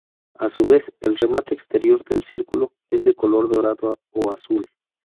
A su vez, el remate exterior del círculo es de color dorado o azul.